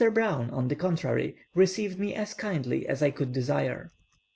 Brown, on the contrary, received me as kindly as I could desire.